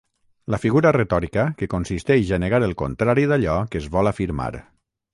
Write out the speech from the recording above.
La figura retòrica que consisteix a negar el contrari d'allò que es vol afirmar.